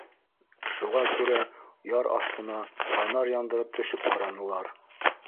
Шуға күрә яр аҫтына фонарь яндырып төшөп ҡаранылар.